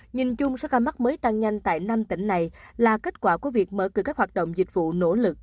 nhìn chung số ca mắc mới tăng nhanh tại năm tỉnh này là kết quả của việc mở cửa các hoạt động dịch vụ nỗ lực